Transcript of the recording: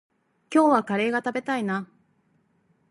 今日はカレーが食べたいな。